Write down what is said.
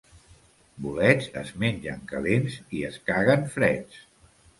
Bolets, es mengen calents i es caguen freds.